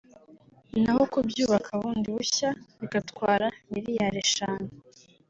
naho kubyubaka bundi bushya bigatwara miliyari eshanu